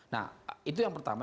nah itu yang pertama